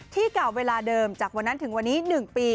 เก่าเวลาเดิมจากวันนั้นถึงวันนี้๑ปี